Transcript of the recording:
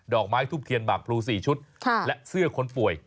อกไม้ทุบเทียนหมากพลู๔ชุดและเสื้อคนป่วย